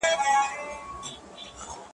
پښې او غاړي په تارونو کي تړلي .